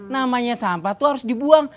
namanya sampah itu harus dibuang